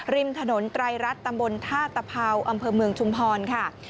ริมถนนไตรรัฐตำบลท่าตะเภาอำเภอเมืองชุมพรค่ะ